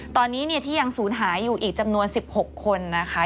ตอนนี้เนี่ยที่ยังสูญหายอยู่อีกจำนวน๑๖คนนะคะ